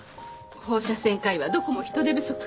放射線科医はどこも人手不足。